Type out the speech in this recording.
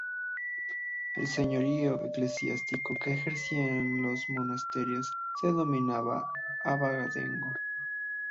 Al señorío eclesiástico que ejercían los monasterios se denominaba abadengo.